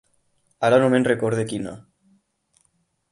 Ara no me’n recorde quina.